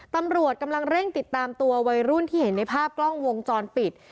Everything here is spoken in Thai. ตำรวจกำลังเร่งติดตามตัววัยรุ่นที่เห็นในภาพกล้องวงจรปิด